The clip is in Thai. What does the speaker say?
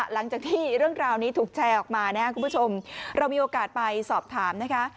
หลังจากที่เรื่องราวนี้ถูกแชร์ออกมานะครับคุณผู้ชมเรามีโอกาสไปสอบถามนะคะ